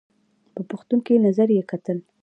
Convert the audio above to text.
په پوښتونکي نظر یې کتل !